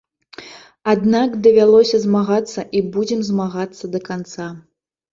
Аднак, давялося змагацца і будзем змагацца да канца.